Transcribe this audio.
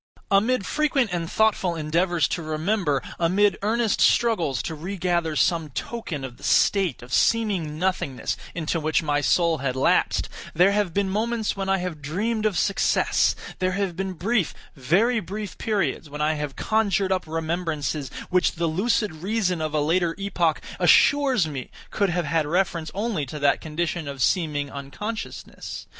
Amid frequent and thoughtful endeavors to remember; amid earnest struggles to regather some token of the state of seeming nothingness into which my soul had lapsed, there have been moments when I have dreamed of success; there have been brief, very brief periods when I have conjured up remembrances which the lucid reason of a later epoch assures me could have had reference only to that condition of seeming unconsciousness.